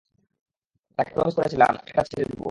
তাকে প্রমিজ করেছিলাম এটা ছেড়ে দিবো।